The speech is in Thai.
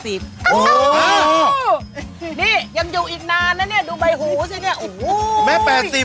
นี่ยังอยู่อีกนานนะเนี่ยดูใบหูซะเนี่ย